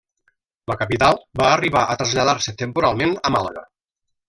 La capital va arribar a traslladar-se temporalment a Màlaga.